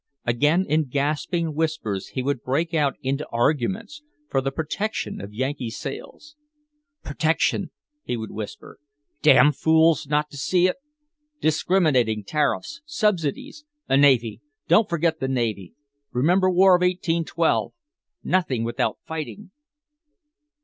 Again, in gasping whispers, he would break out into arguments for the protection of Yankee sails. "Protection!" he would whisper. "Damn fools not to see it! Discriminating tariffs! Subsidies! A Navy!... Don't forget the Navy! Remember War of 1812!... Nothing without fighting!"